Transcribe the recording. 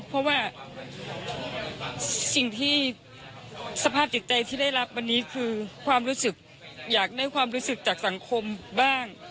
เพราะสิ่งที่สภาพห์จิตใจที่ได้รับวันนี้คือความรู้สึกจะได้จากสังคมบ้าง